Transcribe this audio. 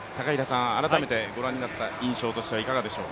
改めてご覧になった印象としてはいかがでしょう。